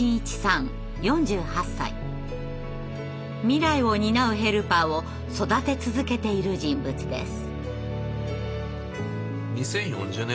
未来を担うヘルパーを育て続けている人物です。